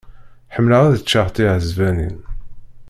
Ḥemmleɣ ad ččeɣ tiɛesbanin.